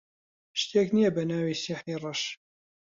شتێک نییە بە ناوی سیحری ڕەش.